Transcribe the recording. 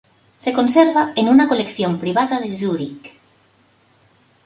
Se conserva en una colección privada de Zúrich.